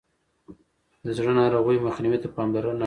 د زړه ناروغیو مخنیوي ته پاملرنه اړینه ده.